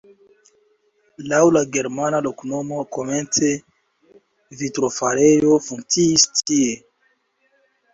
Laŭ la germana loknomo komence vitrofarejo funkciis tie.